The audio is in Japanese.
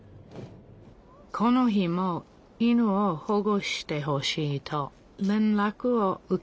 この日も犬を保護してほしいと連らくを受けました。